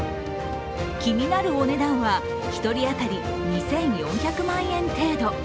気になるお値段は１人当たり２４００万円程度。